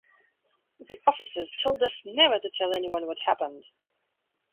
The officers told us never to tell anyone what happened.